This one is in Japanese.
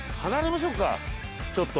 ちょっと。